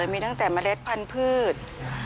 มีตั้งแต่เมล็ดพันธุ์พืช